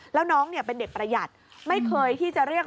แล้วน้องเนี่ยเป็นเด็กประหยัดไม่เคยที่จะเรียก